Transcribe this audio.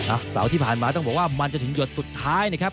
เสาร์ที่ผ่านมาต้องบอกว่ามันจะถึงหยดสุดท้ายนะครับ